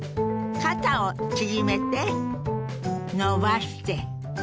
肩を縮めて伸ばして。